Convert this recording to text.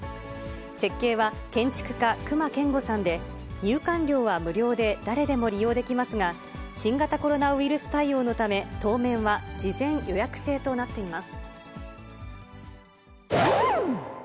設計は建築家、隈研吾さんで入館料は無料で誰でも利用できますが、新型コロナウイルス対応のため、当面は事前予約制となっています。